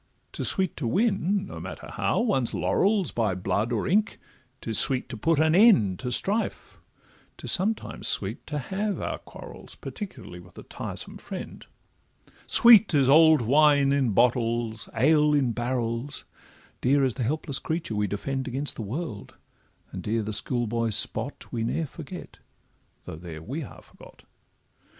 'Tis sweet to win, no matter how, one's laurels, By blood or ink; 'tis sweet to put an end To strife; 'tis sometimes sweet to have our quarrels, Particularly with a tiresome friend: Sweet is old wine in bottles, ale in barrels; Dear is the helpless creature we defend Against the world; and dear the schoolboy spot We ne'er forget, though there we are forgot.